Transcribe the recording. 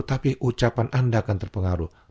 tapi ucapan anda akan terpengaruh